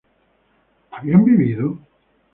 ¿habían vivido?